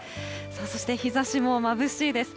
そして日ざしもまぶしいです。